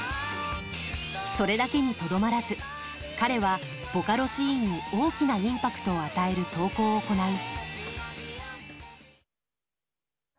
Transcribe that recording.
それだけにとどまらず彼はボカロシーンに大きなインパクトを与える投稿を行う。